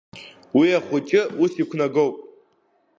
Уи ахәыҷы ус иқәнагоуп.